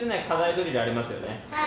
ドリルありますよね。